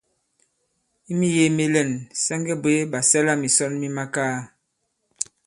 I miyēē mi lɛ̂n, sa ŋge bwě ɓàsɛlamìsɔn mi makaa.